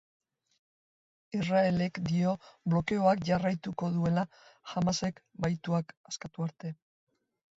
Israelek dio blokeoak jarraituko duela Hamasek bahituak askatu arte.